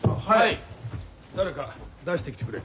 誰か出してきてくれ。